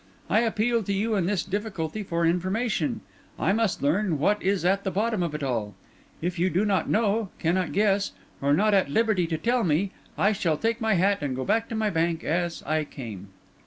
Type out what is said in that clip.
I appeal to you in this difficulty for information. I must learn what is at the bottom of it all. If you do not know, cannot guess, or are not at liberty to tell me, I shall take my hat and go back to my bank as came."